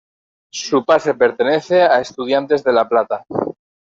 Su pase pertenece a Estudiantes de La Plata.